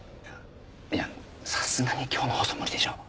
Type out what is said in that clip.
いやさすがに今日の放送は無理でしょう。